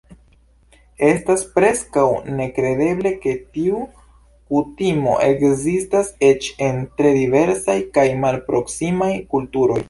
Estas preskaŭ nekredeble, ke tiu kutimo ekzistas eĉ en tre diversaj kaj malproksimaj kulturoj.